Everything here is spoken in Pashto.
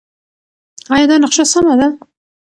ایا دا نقشه سمه ده؟